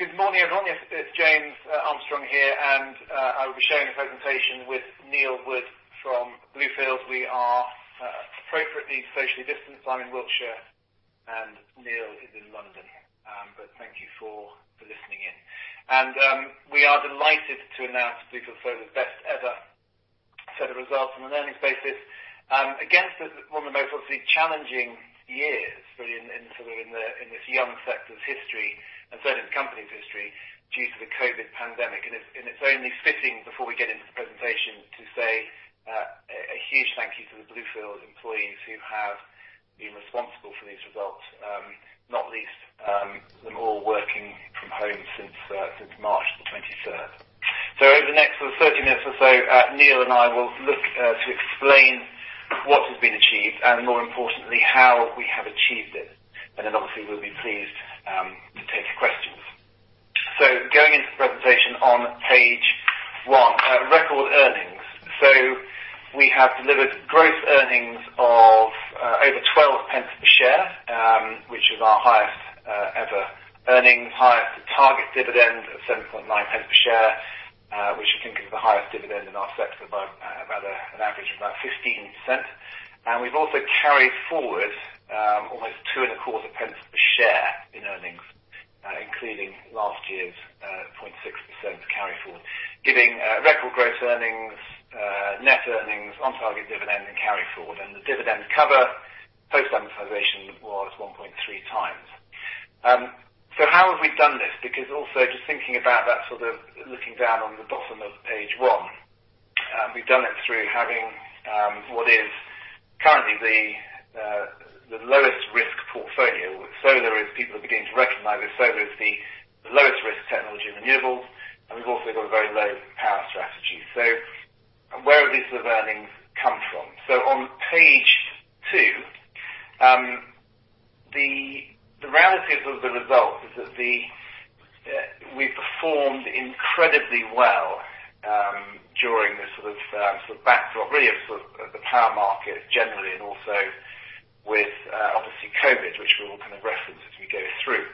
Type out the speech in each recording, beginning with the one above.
Thank you very much. Good morning, everyone. It's James Armstrong here. I will be sharing the presentation with Neil Wood from Bluefield. We are appropriately socially distanced. I'm in Wiltshire and Neil is in London. Thank you for listening in. We are delighted to announce Bluefield Solar's best ever set of results on an earnings basis, against one of the most obviously challenging years in this young sector's history, and certainly the company's history, due to the COVID pandemic. It's only fitting, before we get into the presentation, to say a huge thank you to the Bluefield employees who have been responsible for these results, not least them all working from home since March the 23rd. Over the next sort of 30 minutes or so, Neil and I will look to explain what has been achieved and more importantly, how we have achieved it. Obviously, we'll be pleased to take your questions. Going into the presentation on page one, record earnings. We have delivered gross earnings of over 0.12 per share, which is our highest ever earnings, highest target dividend of 0.079 per share, which I think is the highest dividend in our sector by about an average of about 15%. We've also carried forward almost 0.0225 per share in earnings, including last year's 0.6% carry forward, giving record gross earnings, net earnings on target dividend and carry forward. The dividend cover post-amortisation was 1.3x. How have we done this? Because also just thinking about that sort of looking down on the bottom of page one, we've done it through having what is currently the lowest risk portfolio. Solar is, people are beginning to recognize this, solar is the lowest risk technology renewable, and we've also got a very low power strategy. Where have these earnings come from? On page two, the realities of the result is that we've performed incredibly well during this sort of backdrop, really of sort of the power market generally and also with obviously COVID, which we'll kind of reference as we go through.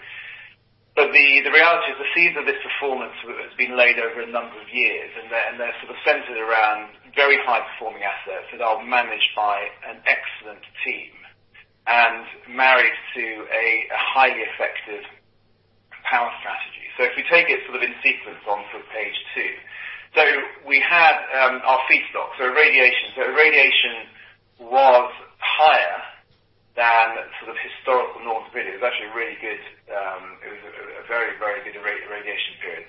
The reality is the seeds of this performance has been laid over a number of years, and they're sort of centered around very high performing assets that are managed by an excellent team and married to a highly effective power strategy. If we take it sort of in sequence on page two. We had our feedstock, so irradiation. Irradiation was higher than sort of historical norms really. It was a very good irradiation period.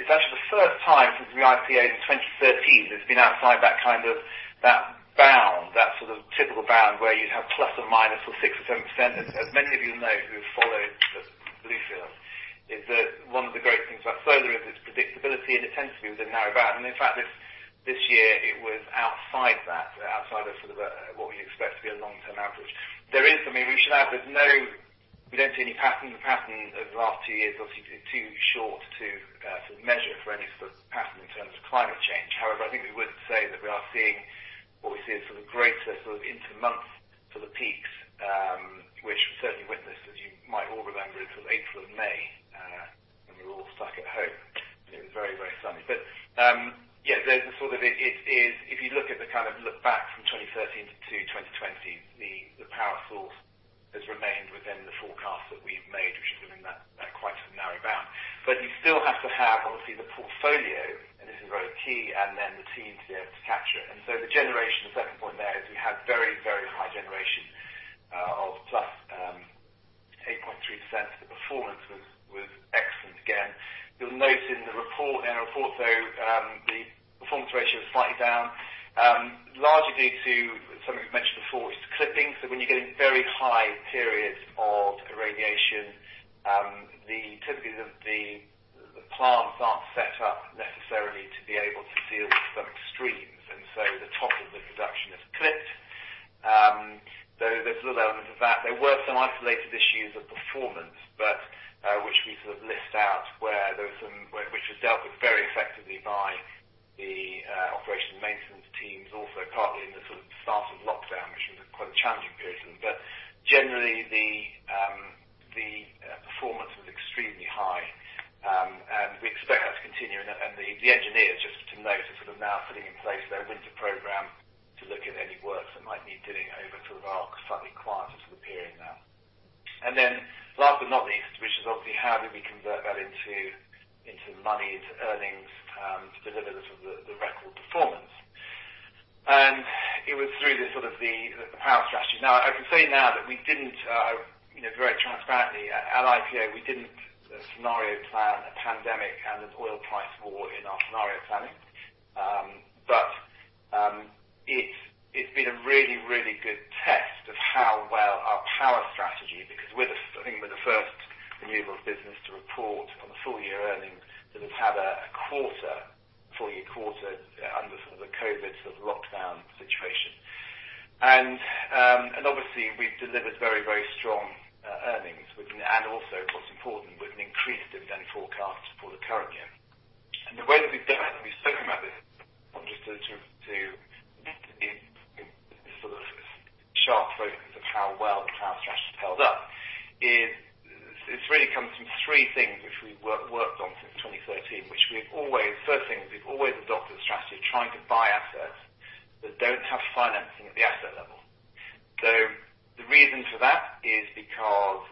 It's actually the first time since we IPO'd in 2013 that it's been outside that kind of bound, that sort of typical bound where you'd have plus or minus or 6% or 7%. As many of you know who have followed Bluefield, is that one of the great things about solar is its predictability, and it tends to be within a narrow bound. In fact, this year, it was outside that. Outside of sort of what we expect to be a long-term average. We should add, we don't see any pattern over the last two years, obviously too short to measure for any sort of pattern in terms of climate change. I think we would say that we are seeing what we see as sort of greater sort of intermonth sort of peaks, which certainly witnessed, as you might all remember, in sort of April and May, when we were all stuck at home and it was very sunny. Yeah, if you look back from 2013 to 2020, the power source has remained within the forecast that we've made, which is within that quite sort of narrow bound. You still have to have, obviously, the portfolio, and this is very key, and then the team to be able to capture it. The generation, the second point there is we had very high generation of +8.3%. The performance was excellent again. You'll note in the report though, the performance ratio is slightly down, largely due to something we've mentioned before, is clipping. When you get into very high periods of irradiation, typically the plants aren't set up necessarily to be able to deal with some extremes, and so the top of the production is clipped. There's a little element of that. There were some isolated issues of performance, which we sort of list out, which was dealt with very effectively by the operation maintenance teams, also partly in the sort of start of lockdown, which was quite a challenging period for them. Generally, the performance was extremely high, and we expect that to continue. The engineers, just to note, are sort of now putting in place their winter program to look at any works that might need doing over sort of our slightly quieter sort of period now. Last but not least, which is obviously how do we convert that into money, into earnings, to deliver the sort of the record performance. It was through the sort of the power strategy. I can say now very transparently, at IPO, we didn't scenario plan a pandemic and an oil price war in our scenario planning. It's been a really good test of how well our power strategy, because I think we're the first renewables business to report on the full year earnings that has had a full year quarter under sort of the COVID lockdown situation. Obviously we've delivered very strong earnings. Also what's important, with an increased dividend forecast for the current year. This sharp focus of how well the power strategy has held up. It's really come from three things which we worked on since 2013. First thing is we've always adopted a strategy of trying to buy assets that don't have financing at the asset level. The reason for that is because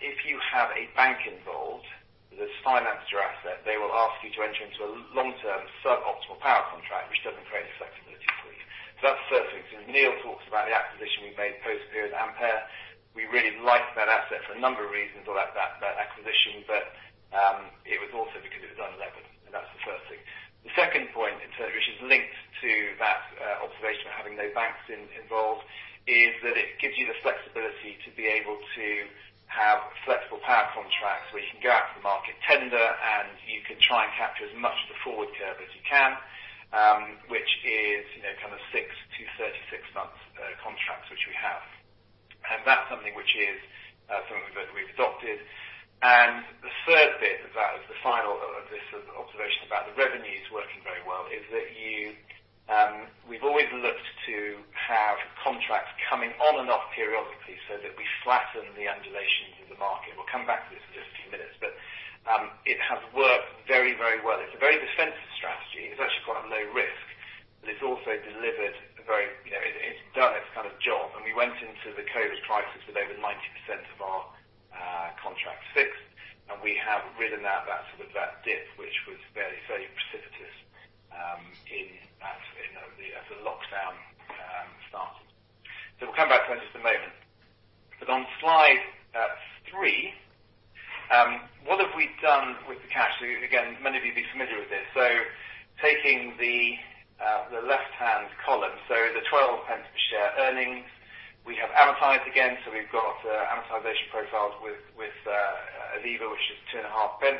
if you have a bank involved that's financed your asset, they will ask you to enter into a long-term sub-optimal power contract, which doesn't create flexibility for you. That's the first thing. Neil talks about the acquisition we made post-period Ampere. We really liked that asset for a number of reasons or that acquisition, but it was also because it was unlevered, and that's the first thing. The second point, which is linked to that observation of having no banks involved, is that it gives you the flexibility to be able to have flexible power contracts where you can go out to the market tender, and you can try and capture as much of the forward curve as you can, which is kind of six to 36 months contracts, which we have. That's something which we've adopted. The third bit of that, the final of this observation about the revenues working very well, is that we've always looked to have contracts coming on and off periodically so that we flatten the undulations in the market. We'll come back to this in just a few minutes, but it has worked very well. It's a very defensive strategy. It's actually quite a low risk, but it's also done its job. We went into the COVID crisis with over 90% of our contracts fixed, and we have ridden out that dip, which was very precipitous as the lockdown started. We'll come back to it in just a moment. On slide three, what have we done with the cash? Again, many of you will be familiar with this. Taking the left-hand column, the 0.12 per share earnings, we have amortized again. We've got amortization profiles with Aviva, which is 0.025.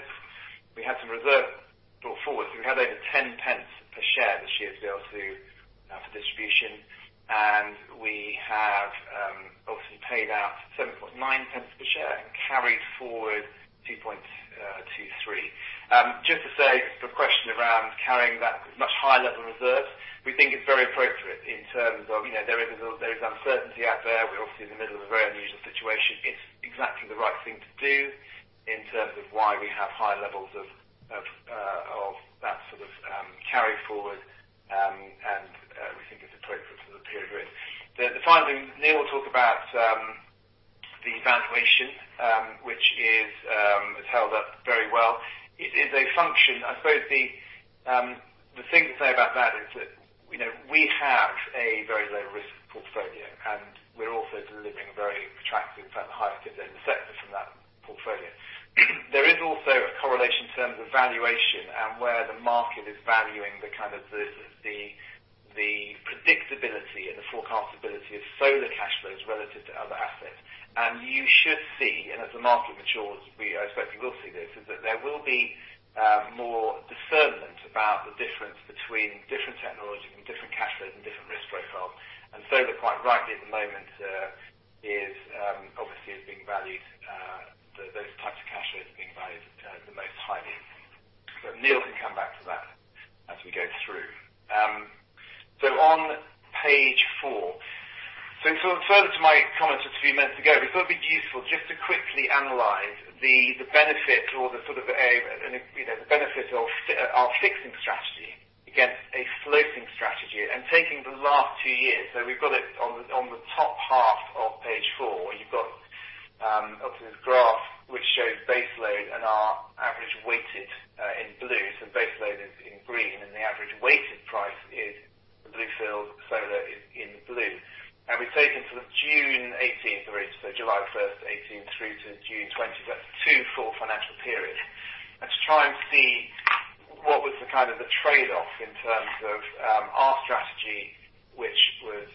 We had some reserve brought forward. We had over 0.10 per share this year to be able to do for distribution, and we have obviously paid out 0.079 per share and carried forward 0.0223. Just to say for the question around carrying that much higher level of reserves, we think it's very appropriate in terms of there is uncertainty out there. We're obviously in the middle of a very unusual situation. It's exactly the right thing to do in terms of why we have high levels of that sort of carry forward, and we think it's appropriate for the period we're in. Neil will talk about the valuation, which has held up very well. The thing to say about that is that we have a very low-risk portfolio, and we're also delivering very attractive, in fact, the highest dividend in the sector from that portfolio. There is also a correlation in terms of valuation and where the market is valuing the predictability and the forecast ability of solar cash flows relative to other assets. You should see, and as the market matures, we expect you will see this, is that there will be more discernment about the difference between different technologies and different cash flows and different risk profiles. Solar, quite rightly at the moment obviously is being valued, those types of cash flows are being valued the most highly. Neil can come back to that as we go through. On page four. Further to my comments just a few minutes ago, we thought it'd be useful just to quickly analyze the benefit of our fixing strategy against a floating strategy and taking the last two years. We've got it on the top half of page four. You've got obviously this graph, which shows base load and our average weighted in blue. Base load is in green, and the average weighted price is the Bluefield Solar is in blue. We've taken sort of June 2018 through, so July 1st, 2018 through to June 2020, so that's two full financial periods. To try and see what was the trade-off in terms of our strategy, which was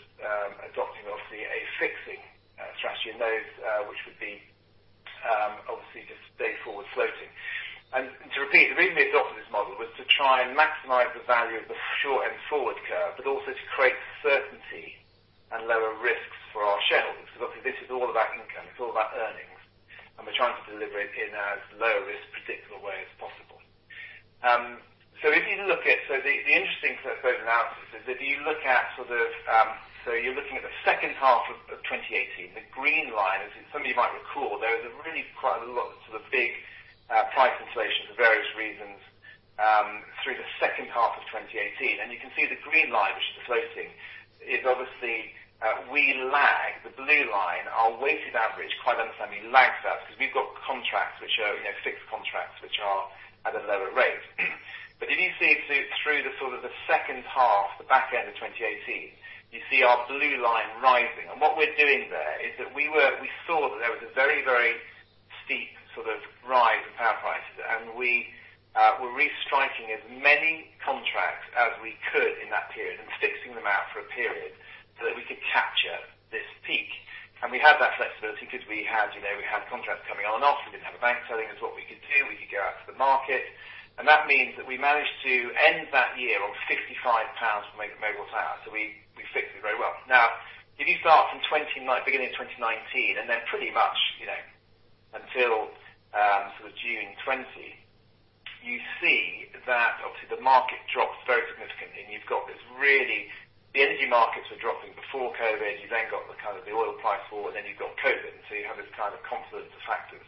adopting obviously a fixing strategy and those which would be obviously just day-forward floating. To repeat, the reason we adopted this model was to try and maximize the value of the short-end forward curve, but also to create certainty and lower risks for our shareholders. Obviously this is all about income, it's all about earnings, and we're trying to deliver it in as low a risk predictable way as possible. The interesting analysis is that you're looking at the second half of 2018. The green line, as some of you might recall, there is a really quite a lot sort of big price inflation for various reasons through the second half of 2018. You can see the green line, which is the floating, is obviously we lag the blue line, our weighted average, quite understandably lags that because we've got contracts which are fixed contracts, which are at a lower rate. If you see through the sort of the second half, the back end of 2018, you see our blue line rising. What we're doing there is that we saw that there was a very steep rise in power prices, and we were restriking as many contracts as we could in that period and fixing them out for a period so that we could capture this peak. We had that flexibility because we had contracts coming on and off. We didn't have a bank telling us what we could do. We could go out to the market. That means that we managed to end that year on 55 pounds per megawatt hour. We fixed it very well. If you start from beginning of 2019, then pretty much until sort of June 2020, the market dropped very significantly, and you've got this the energy markets were dropping before COVID. You've then got the oil price fall, and then you've got COVID, so you have this confluence of factors.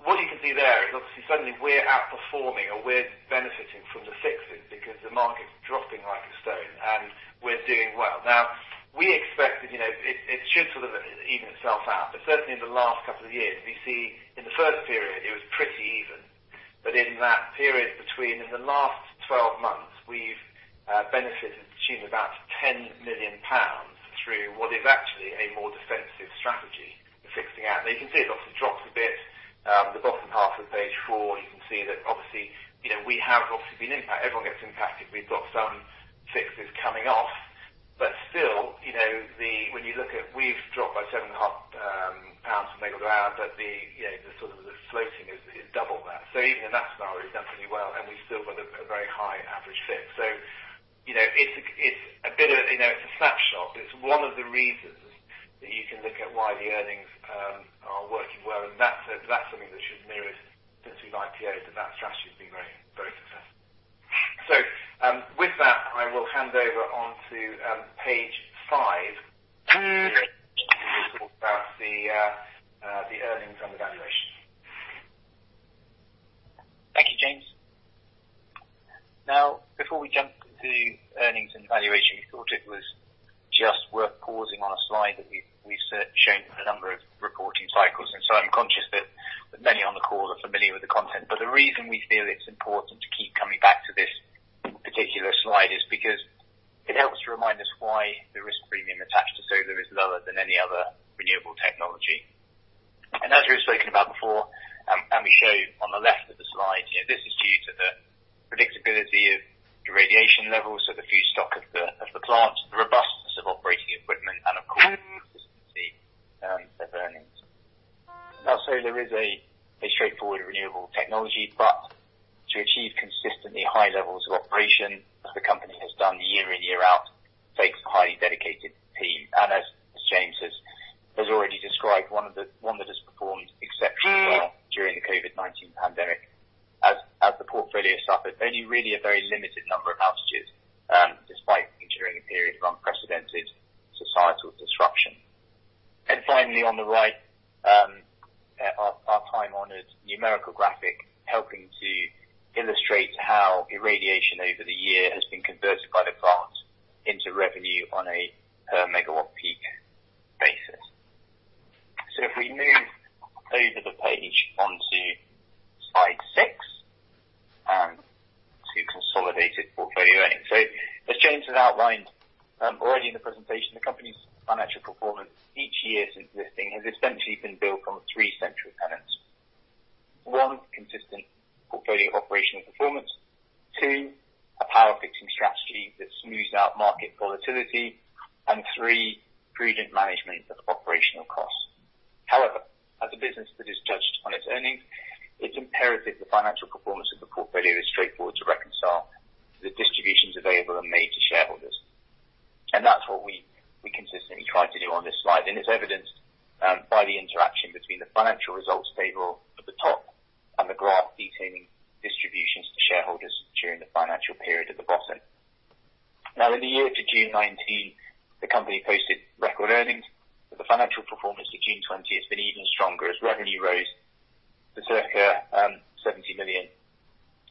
What you can see there is obviously suddenly we're outperforming or we're benefiting from the fixes because the market's dropping like a stone, and we're doing well. We expected it should even itself out, but certainly in the last couple of years, we see in the first period it was pretty even. In that period between, in the last 12 months, we've benefited to the tune of about 10 million pounds through what is actually a more defensive strategy for fixing out. You can see it obviously drops a bit. The bottom half of page four, you can see that obviously, we have obviously been impacted. Everyone gets impacted. We've got some fixes coming off. Still, when you look at we've dropped by 7.5 pounds per megawatt hour, but the floating is double that. Even in that scenario, we've done pretty well, and we've still got a very high average fix. It's a snapshot, but it's one of the reasons that you can look at why the earnings are working well, and that's something that should mirror since we've IPO'd, that strategy's been very successful. With that, I will hand over onto page five. To talk about the earnings and the valuation. Thank you, James. Before we jump to earnings and valuation, we thought it was just worth pausing on a slide that we've shown for a number of reporting cycles. I'm conscious that many on the call are familiar with the content. The reason we feel it's important to keep coming back to this particular slide is because it helps to remind us why the risk premium attached to solar is lower than any other renewable technology. As we've spoken about before, and we show on the left of the slide, this is due to the predictability of the irradiation levels, so the feedstock of the plant, the robustness of operating equipment, and of course the consistency of earnings. Solar is a straightforward renewable technology, but to achieve consistently high levels of operation, as the company has done year in, year out, takes a highly dedicated team. As James has already described, one that has performed exceptionally well during the COVID-19 pandemic, as the portfolio suffered only really a very limited number of outages, despite enduring a period of unprecedented societal disruption. Finally, on the right, our time-honored numerical graphic helping to illustrate how irradiation over the year has been converted by the plant into revenue on a per megawatt peak basis. If we move over the page onto slide six, to consolidated portfolio earnings. As James has outlined already in the presentation, the company's financial performance each year since listing has essentially been built on three central tenets. One, consistent portfolio operational performance. Two, a power fixing strategy that smooths out market volatility. Three, prudent management of operational costs. However, as a business that is judged on its earnings, it's imperative the financial performance of the portfolio is straightforward to reconcile to the distributions available and made to shareholders. That's what we consistently try to do on this slide, and it's evidenced by the interaction between the financial results table at the top and the graph detailing distributions to shareholders during the financial period at the bottom. In the year to June 2019, the company posted record earnings, but the financial performance to June 2020 has been even stronger as revenue rose to circa 70 million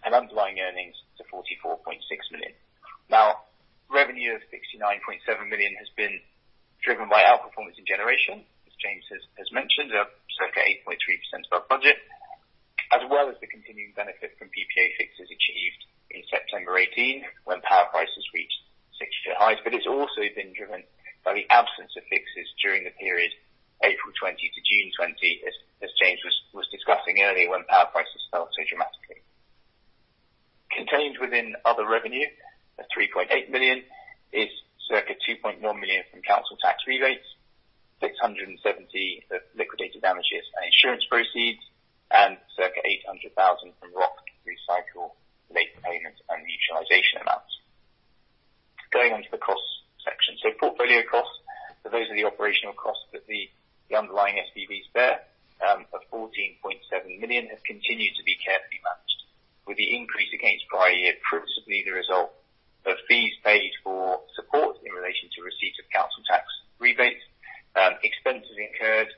and underlying earnings to 44.6 million. Revenue of 69.7 million has been driven by outperformance in generation, as James has mentioned, they're circa 8.3% above budget, as well as the continuing benefit from PPA fixes achieved in September 2018 when power prices reached six-year highs. It's also been driven by the absence of fixes during the period April 2020 to June 2020, as James was discussing earlier, when power prices fell so dramatically. Contained within other revenue at 3.8 million is circa 2.1 million from Council Tax rebates, 670 liquidated damages and insurance proceeds, and circa 800,000 from ROC recycle late payment and mutualization amounts. Going on to the Cost section. Portfolio costs, so those are the operational costs that the underlying SPVs bear at 14.7 million, have continued to be carefully managed with the increase against prior year principally the result of fees paid for support in relation to receipt of Council Tax rebates, expenses incurred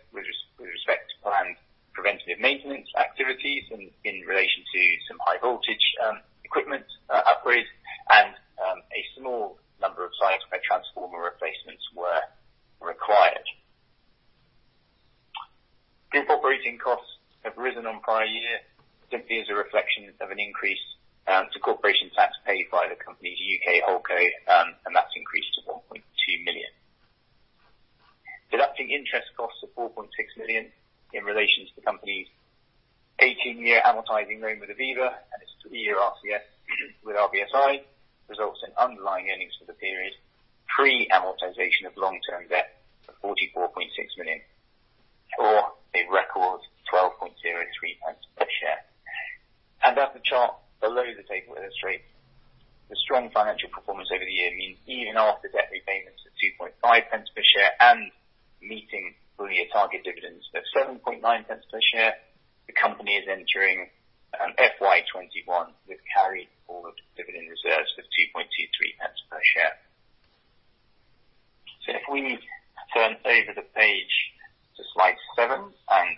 FY 2021 with carried forward dividend reserves of 0.0223 per share. If we turn over the page to slide seven and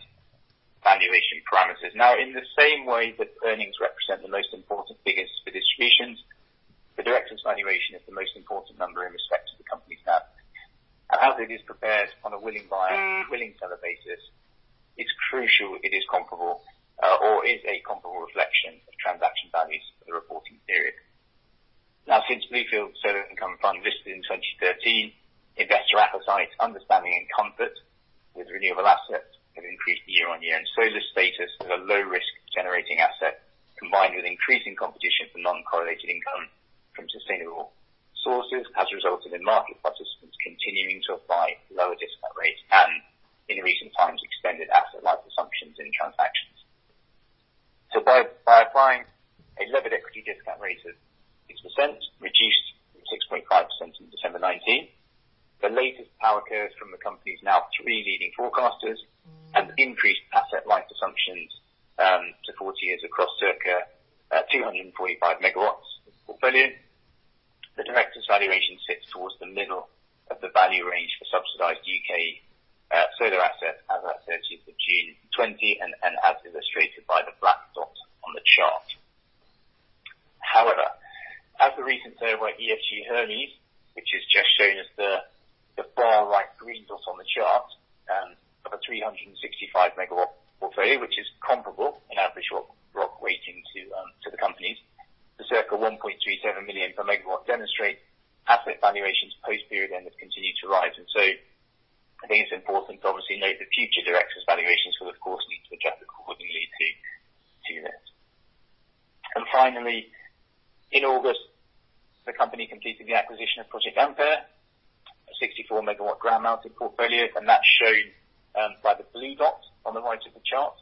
valuation parameters. In the same way that earnings represent the most important figures for distributions, the director's valuation is the most important number in respect to the company's NAV. As it is prepared on a willing buyer, willing seller basis, it is crucial it is comparable or a comparable reflection of transaction values for the reporting period. Since Bluefield Solar Income Fund listed in 2013, investor appetite, understanding, and comfort with renewable assets have increased year-on-year. Solar status is a low-risk generating asset, combined with increasing competition for non-correlated income from sustainable sources has resulted in market participants continuing to apply lower discount rates and, in recent times, extended asset life assumptions in transactions. By applying a levered equity discount rate of 6%, reduced from 6.5% in December 2019, the latest power curves from the company's now three leading forecasters, and increased asset life assumptions to 40 years across circa 245 megawatts of the portfolio, the director's valuation sits towards the middle of the value range for subsidized U.K. solar assets as at 30th of June 2020 and as illustrated by the black dot on the chart. However, as the recent sale by Federated Hermes, which is just shown as the far-right green dot on the chart, of a 365-megawatt portfolio, which is comparable in average ROC weighting to the company's, the circa 1.37 million per megawatt demonstrate asset valuations post-period end have continued to rise. I think it's important to obviously note the future director's valuations will of course need to adjust accordingly to this. Finally, in August, the company completed the acquisition of Project Ampere, a 64-megawatt ground-mounted portfolio, and that's shown by the blue dot on the right of the chart,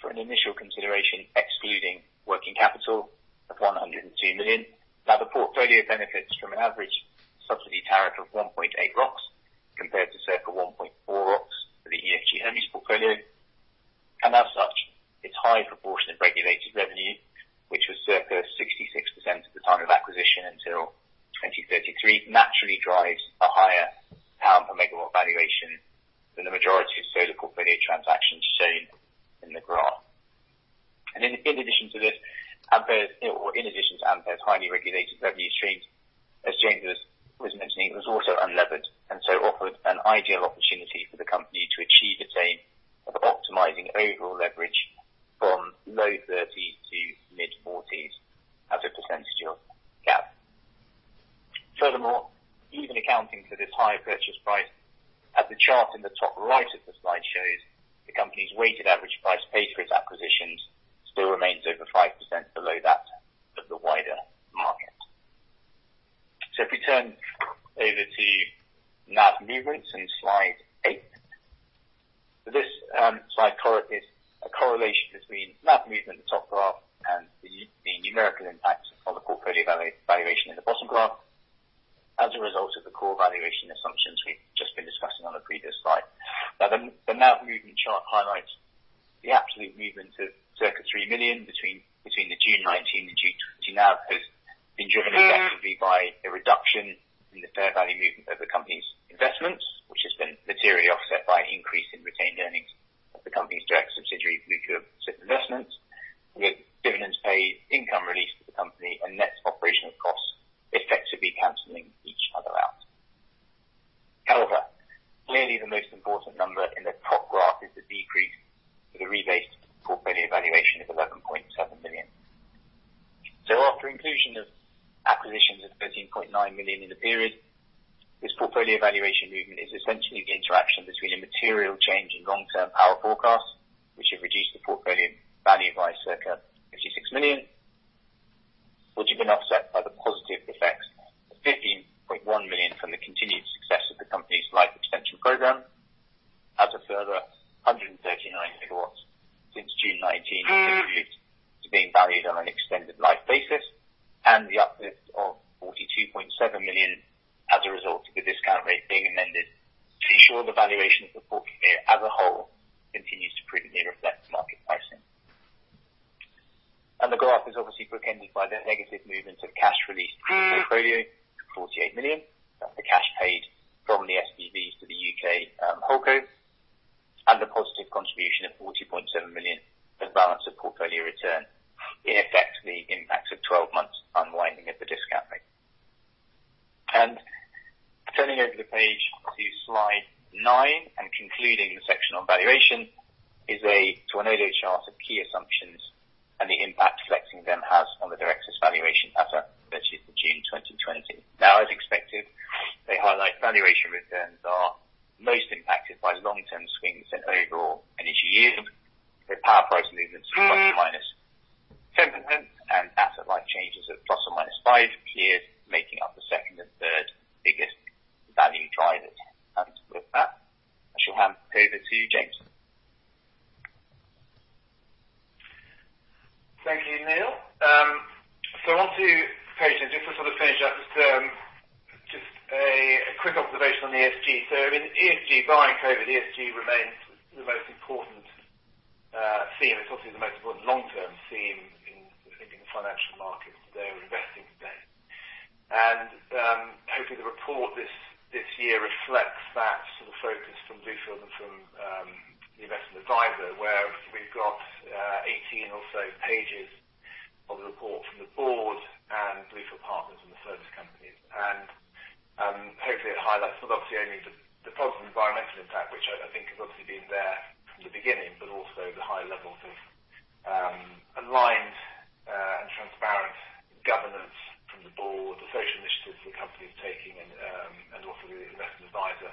for an initial consideration, excluding working capital, of 102 million. Now the portfolio benefits from an average subsidy tariff of 1.8 ROCs effectively canceling each other out. Clearly the most important number in the top graph is the decrease to the rebased portfolio valuation of 11.7 million. After inclusion of acquisitions of 13.9 million in the period, this portfolio valuation movement is essentially the interaction between a material change in long-term power forecasts, which have reduced the portfolio value by circa 56 million, which have been offset by the COVID, ESG remains the most important theme. It's obviously the most important long-term theme in thinking financial markets today or investing today. Hopefully, the report this year reflects that sort of focus from Bluefield and from the investment adviser, where we've got 18 or so pages of the report from the board and Bluefield Partners and the service companies. Hopefully, it highlights not obviously only the positive environmental impact, which I think has obviously been there from the beginning, but also the high levels of aligned and transparent governance from the board, the social initiatives the company is taking and obviously the investment adviser.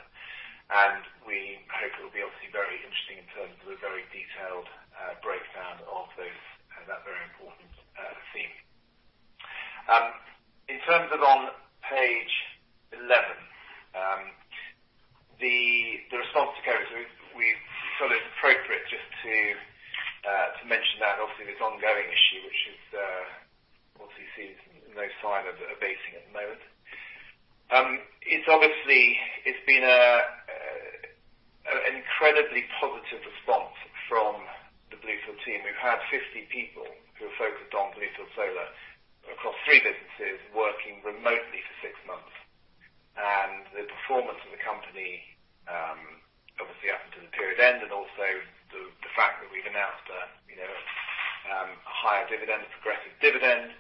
We hope it'll be obviously very interesting in terms of the very detailed breakdown of that very important theme. On page 11, the response to COVID. We felt it was appropriate just to mention that, and obviously this ongoing issue, which obviously sees no sign of abating at the moment. It's been an incredibly positive response from the Bluefield team. We've had 50 people who are focused on Bluefield Solar across three businesses working remotely for six months. The performance of the company obviously up until the period end, also the fact that we've announced a higher dividend, a progressive dividend,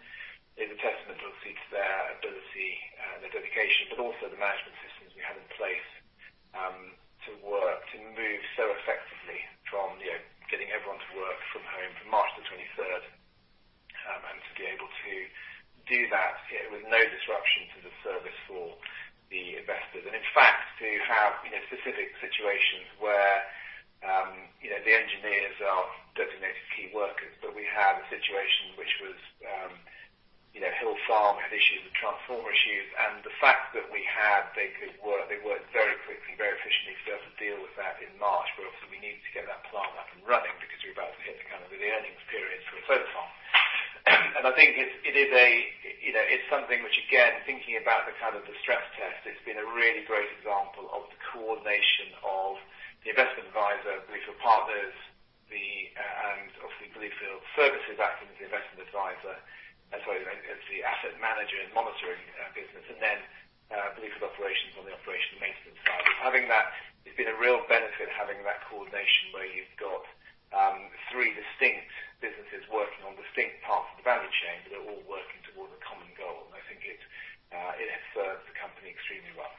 it has served the company extremely well.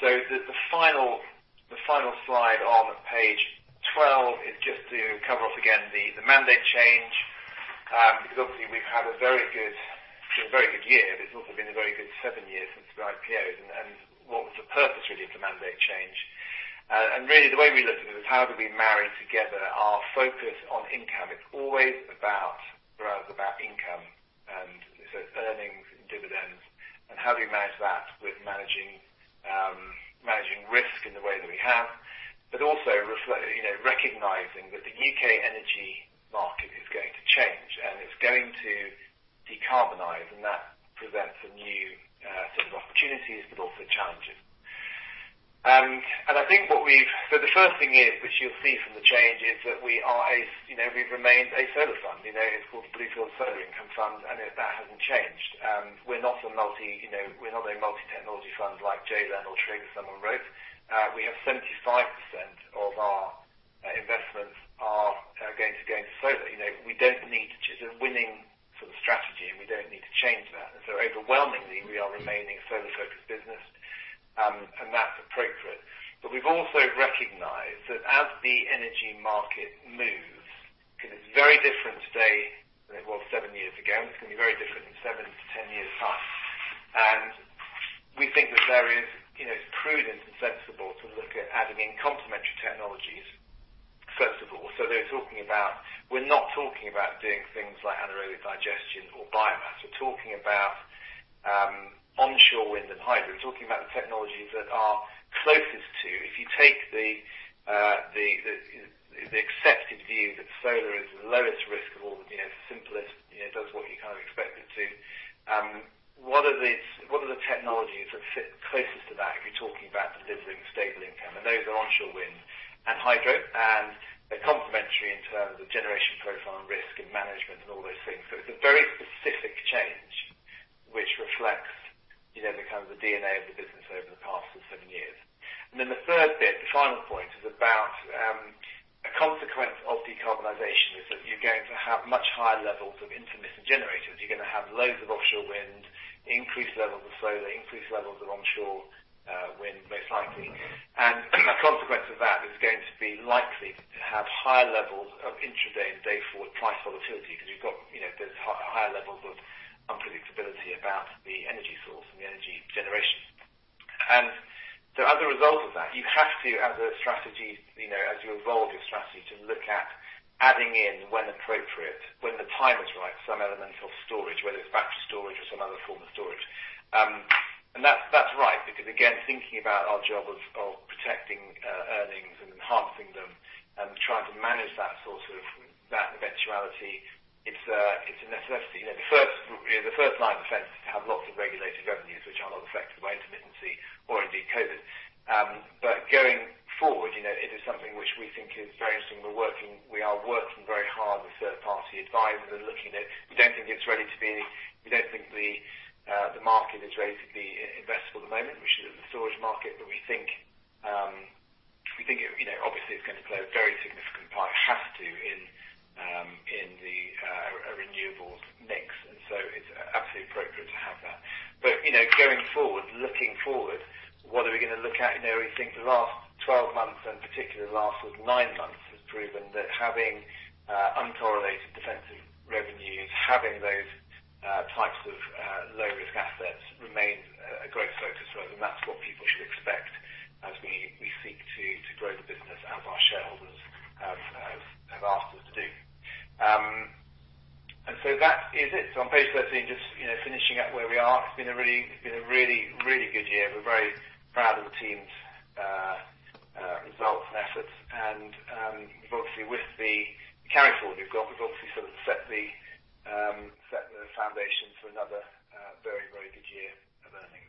The final slide on page 12 is just to cover off again the mandate change, because obviously we've had a very good year, but it's also been a very good seven years since we IPO-ed and what was the purpose really of the mandate change. Really the way we looked at it was how do we marry together our focus on income. It's always for us about income, and so earnings and dividends and how do you manage that with managing risk in the way that we have, but also recognizing that the U.K. energy market is going to change, and it's going to decarbonize and that presents a new set of opportunities but also challenges. The first thing is, which you'll see from the change, is that we've remained a solar fund. It's called the Bluefield Solar Income Fund, and that hasn't changed. We're not a multi-technology fund like JLEN or TRIG as someone wrote. We have 75% of our investments are going to solar. It's a winning sort of strategy, and we don't need to change that. Overwhelmingly, we are remaining a solar-focused business, and that's appropriate. We've also recognized that as the energy market moves, because it's very different today than it was seven years ago, and it's going to be very different in 7 to 10 years' time. We think that it's prudent and sensible to look at adding in complementary technologies, first of all. We're not talking about doing things like anaerobic digestion or biomass. We're talking about onshore wind and hydro. We're talking about the technologies that are closest to, if you take the accepted view that solar is the lowest risk of all the simplest, does what you kind of expect it to. What are the technologies that sit closest to that if you're talking about delivering stable income? Those are onshore wind and hydro, and they're complementary in terms of generation profile and risk and management and all those things. It's a very specific change which reflects the DNA of the business over the past seven years. The third bit, the final point is about a consequence of decarbonization, is that you're going to have much higher levels of intermittent generators. You're gonna have loads of offshore wind, increased levels of solar, increased levels of onshore wind, most likely. A consequence of that is going to be likely to have higher levels of intraday and day-forward price volatility, because there's higher levels of unpredictability about the energy source and the energy generation. As a result of that, you have to, as you evolve your strategy, to look at adding in, when appropriate, when the time is right, some element of storage, whether it's battery storage or some other form of storage. That's right because, again, thinking about our job of protecting earnings and enhancing them and trying to manage that eventuality, it's a necessity. The first line of defense is to have lots of regulated revenues, which are not affected by intermittency or indeed COVID. Going forward, it is something which we think is very interesting, and we are working very hard with third-party advisors. We don't think the market is ready to be investable at the moment. We should say the storage market. We think obviously it's going to play a very significant part. It has to in a renewables mix. It's absolutely appropriate to have that. Going forward, looking forward, what are we gonna look at? We think the last 12 months and particularly the last sort of nine months has proven that having uncorrelated defensive revenues, having those types of low-risk assets remains a great focus for us, and that's what people should expect as we seek to grow the business as our shareholders have asked us to do. That is it. On page 13, just finishing up where we are. It's been a really, really good year. We're very proud of the team's results and efforts and obviously with the carrying forward we've got, we've obviously sort of set the foundation for another very, very good year of earnings.